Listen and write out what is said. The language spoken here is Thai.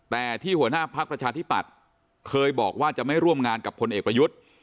แต่ที่หัวหน้าพักประชาธิปัตย์เคยบอกว่าจะไม่ร่วมงานกับพลเอกประยุทธ์